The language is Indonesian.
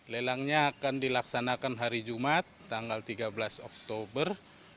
lelangnya akan dilaksanakan hari jumat tanggal tiga belas oktober dua ribu tujuh belas